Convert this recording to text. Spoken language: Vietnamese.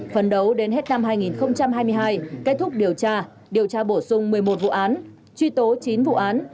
phấn đấu đến hết năm hai nghìn hai mươi hai kết thúc điều tra điều tra bổ sung một mươi một vụ án truy tố chín vụ án